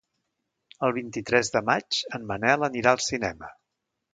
El vint-i-tres de maig en Manel anirà al cinema.